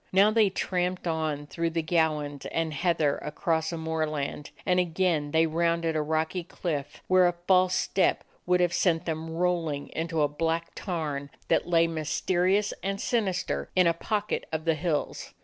Now they tramped on through the gowans and heather across a moorland, and again they rounded a rocky cliff, where a false step would have sent them rolling into a black tarn that lay, mysterious and sinister, in a pocket of the hills.